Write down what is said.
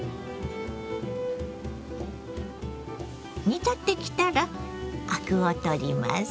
煮立ってきたらアクを取ります。